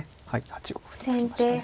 ８五歩と突きましたね。